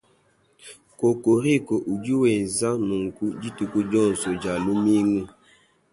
Kokoriko udi wenza nunku dituku dionso dia lumingu.